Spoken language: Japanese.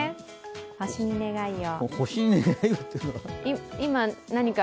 星に願いを。